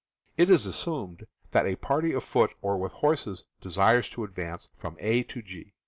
It is assumed that a party afoot or with horses desires to advance from A io G.